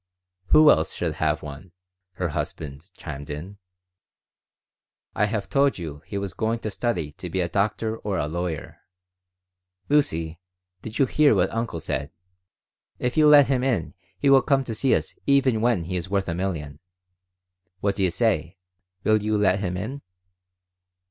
"Who else should have one?" her husband chimed in. "I have told you he was going to study to be a doctor or a lawyer. Lucy, did you hear what uncle said? If you let him in he will come to see us even when he is worth a million. What do you say? Will you let him in?"